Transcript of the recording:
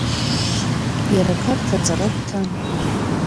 Иара Қарҭ аҵара дҭан.